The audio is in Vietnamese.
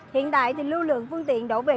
hiện tại thì lưu lượng phương tiện đổ về